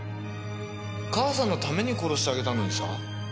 母さんのために殺してあげたのにさ。